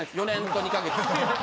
４年と２か月。